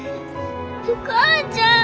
お母ちゃん。